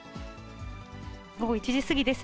午後１時過ぎです。